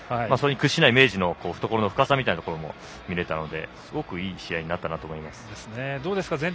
それに屈しない明治の懐の深さみたいなものも見られたのですごくいい試合になったと思います。